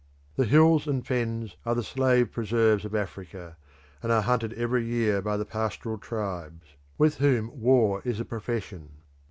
The hills and fens are the slave preserves of Africa, and are hunted every year by the pastoral tribes, with whom war is a profession.